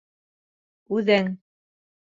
— Үҙең.